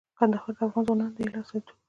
کندهار د افغان ځوانانو د هیلو استازیتوب کوي.